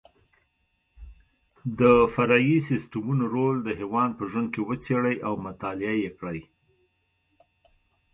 د فرعي سیسټمونو رول د حیوان په ژوند کې وڅېړئ او مطالعه یې کړئ.